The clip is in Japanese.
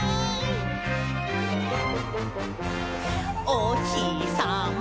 「おひさま